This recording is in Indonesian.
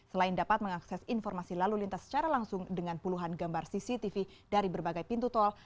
selain dapat mengakses informasi lalu lintas secara langsung dengan puluhan gambar cctv dari berbagai pintu tol